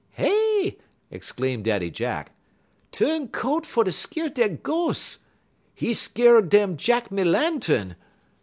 "Hey!" exclaimed Daddy Jack, "tu'n coat no fer skeer dead ghos'. 'E skeer dem Jack me Lantun.